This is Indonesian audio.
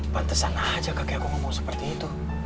pantesan aja kakak ngomong seperti itu